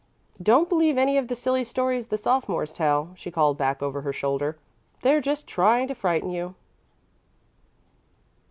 Don't believe any of the silly stories the sophomores tell," she called back over her shoulder; "they're just trying to frighten you."